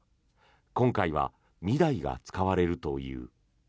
今回は２台が使われるという。